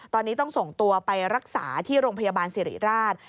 ตอนนี้ต้องส่งตัวไปรักษาที่โรงพยาบาลสิริราช